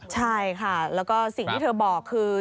ใช่ค่ะแล้วก็สิ่งที่เธอบอกคือ